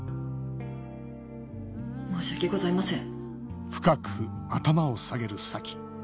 申し訳ございません。